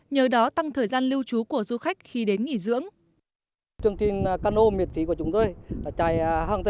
nhờ đó tăng thời gian lưu trú của du khách khi đến nghỉ dưỡng